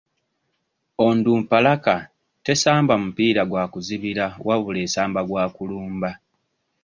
Onduparaka tesamba mupiira gwa kuzibira wabula esamba gwa kulumba.